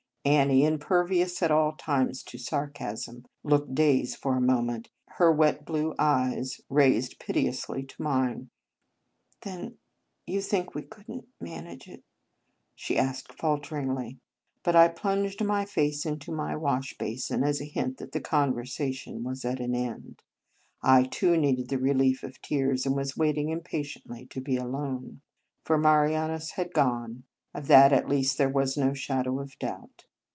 Annie, impervious at all times to sarcasm, looked dazed for a moment, her wet blue eyes raised piteously to mine. " Then you think we could n t manage it? " she asked falteringly. But I plunged my face into my wash basin, as a hint that the conver sation was at an end. I, too, needed the relief of tears, and was waiting impatiently to be alone. For Marianus had gone. Of that, at least, there was no shadow of doubt.